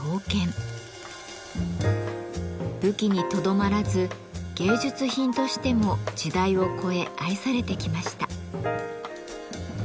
武器にとどまらず芸術品としても時代を超え愛されてきました。